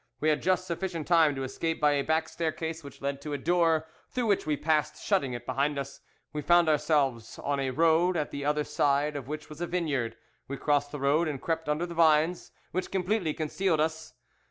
We had just sufficient time to escape by a back staircase which led to a door, through which we passed, shutting it behind us. We found ourselves on a road, at the other side of which was a vineyard. We crossed the road and crept under the vines, which completely concealed us.